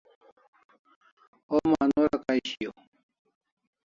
Homa anorà kay shiaw